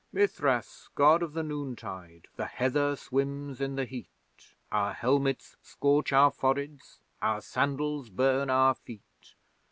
Mithras, God of the Noontide, the heather swims in the heat, Our helmets scorch our foreheads, our sandals burn our feet.